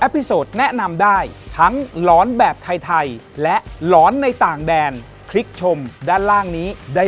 โปรดติดตามตอนต่อไป